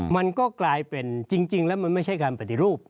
มันก็กลายเป็นจริงแล้วมันไม่ใช่การปฏิรูป